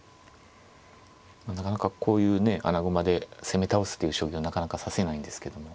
なかなかこういうね穴熊で攻め倒すっていう将棋をなかなか指せないんですけども。